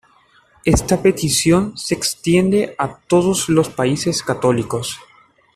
Esta petición se extiende a todos los países católicos.